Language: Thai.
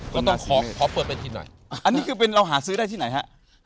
ก็ต้องขอขอเปิดเวทีหน่อยอันนี้คือเป็นเราหาซื้อได้ที่ไหนฮะ